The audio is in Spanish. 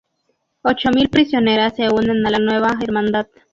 Ocho mil prisioneras se unen a la Nueva Hermandad.